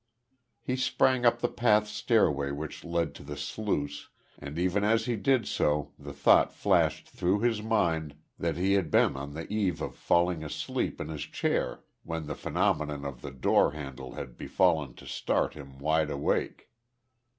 He sprang up the path stairway which led to the sluice, and even as he did so the thought flashed through his mind that he had been on the eve of falling asleep in his chair when the phenomenon of the door handle had befallen to start him wide awake.